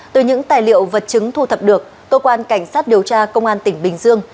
từ những tài liệu vật chứng thu thập được cơ quan cảnh sát điều tra công an tỉnh bình dương